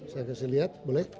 saya kasih lihat boleh